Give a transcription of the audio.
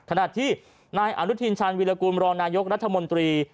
ขณะที่นายอนุทินชาญวิรากูลมรองนายกรัฐมนตรี